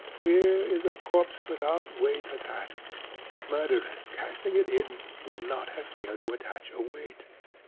Here is a corpse without weight attached. Murderers, casting it in, would not have failed to attach a weight.